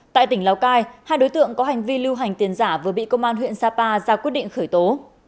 tại tỉnh lào cai hai đối tượng có hành vi lưu hành tiền giả vừa bị công an huyện sapa ra quyết định khởi tố